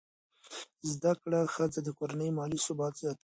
زده کړه ښځه د کورنۍ مالي ثبات زیاتوي.